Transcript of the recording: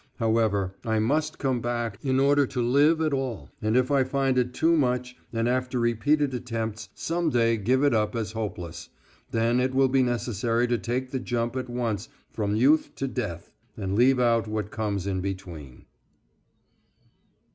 However, I must come back in order to live at all, and if I find it too much and after repeated attempts some day give it up as hopeless, then it will be necessary to take the jump at once from youth to death and leave out what comes in between.